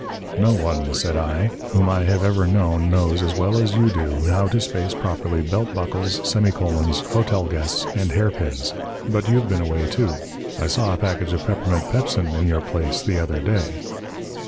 "No one," said I, "whom I have ever known knows as well as you do how to space properly belt buckles, semi colons, hotel guests, and hairpins. But you've been away, too. I saw a package of peppermint pepsin in your place the other day."